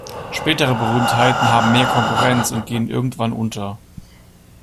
Spätere Berühmtheiten haben mehr Konkurrenz und gehen irgendwann unter.